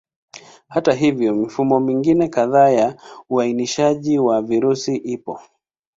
Hata hivyo, mifumo mingine kadhaa ya uainishaji wa virusi ipo.